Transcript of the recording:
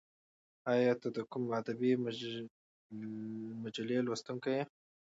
ایا ته د کوم ادبي مجلې لوستونکی یې؟